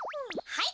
はい。